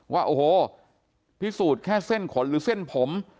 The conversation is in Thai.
ว่าโอ้โหพิสูจน์แค่เส้นขนหรือเส้นผม